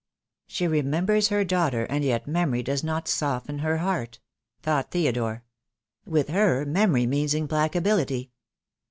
"She remembers her daughter, and yet memory does not soften her heart," thought Theodore. "With her memory means implacability."